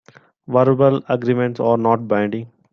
Verbal agreements are not binding.